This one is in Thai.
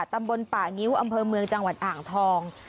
ตำบลป่างิ้วอำเภอเมืองจังหวัดอ่างทอง